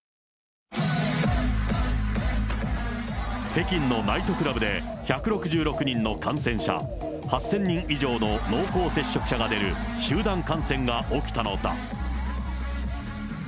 北京のナイトクラブで、１６６人の感染者、８０００人以上の濃厚接触者が出る集団感染が起きたのだ。